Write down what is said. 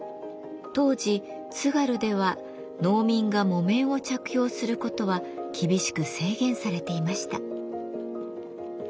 当時津軽では農民が木綿を着用することは厳しく制限されていました。